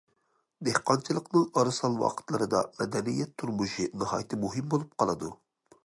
دېھقانچىلىقنىڭ ئارىسال ۋاقىتلىرىدا مەدەنىيەت تۇرمۇشى ناھايىتى مۇھىم بولۇپ قالىدۇ.